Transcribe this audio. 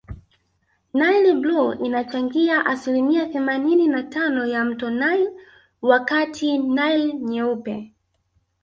Naili bluu inachangia asilimia themanini na tano ya mto nile wakati nile nyeupe